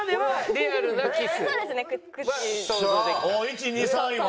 １２３位は。